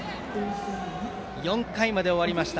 ４回まで終わりました。